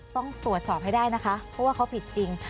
ต้องตรวจสอบให้ได้นะคะเพราะว่าเขาผิดจริง